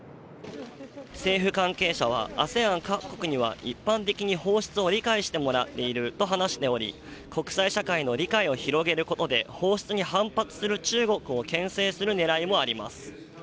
政府関係者はＡＳＥＡＮ各国には一般的に放出を理解してもらっていると話しており、国際社会の理解を広げることで、放出に反発する中国をけん制するねらいもあります。